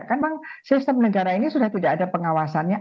kan memang sistem negara ini sudah tidak ada pengawasannya